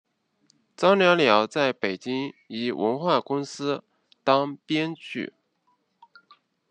张寥寥在北京一文化公司当编剧。